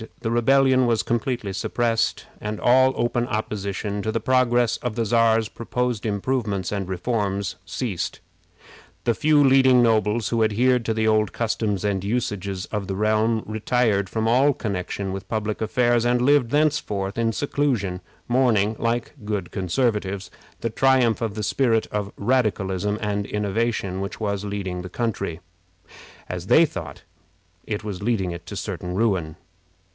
The rebellion was completely suppressed, and all open opposition to the progress of the Czar's proposed improvements and reforms ceased. The few leading nobles who adhered to the old customs and usages of the realm retired from all connection with public affairs, and lived thenceforth in seclusion, mourning, like good Conservatives, the triumph of the spirit of radicalism and innovation which was leading the country, as they thought, to certain ruin.